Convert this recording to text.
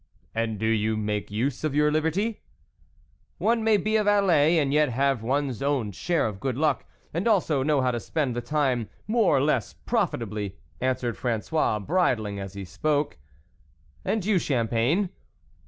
"" And do you make use of your liberty ?"" One may be a valet, and yet have one's own share of good luck, and also know how to spend the time more or less profitably," answered Fra^ois, bridling as he spoke. " And you, Champagne